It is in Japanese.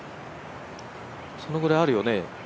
そのぐらいあるよね？